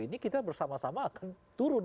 ini kita bersama sama akan turun